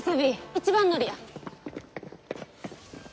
一番乗りや！